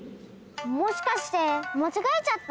もしかしてまちがえちゃった？